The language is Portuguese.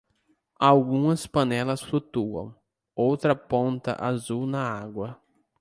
Algumas panelas flutuam, outra ponta azul na água.